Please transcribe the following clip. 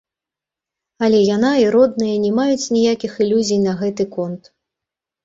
Але яна і родныя не маюць ніякіх ілюзій на гэта конт.